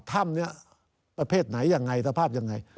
ถ้ำนี้ประเภทไหนยังไงสภาพยังไง